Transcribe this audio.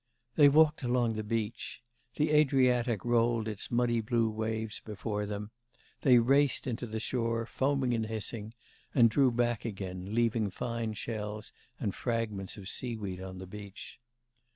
They walked along the beach. The Adriatic rolled its muddy blue waves before them; they raced into the shore, foaming and hissing, and drew back again, leaving fine shells and fragments of seaweed on the beach.